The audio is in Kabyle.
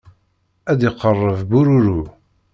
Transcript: ad d-iqerreb bururu.